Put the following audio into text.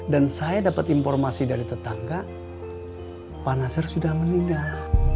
dan saya dapat informasi dari tetangga pak najar sudah menindah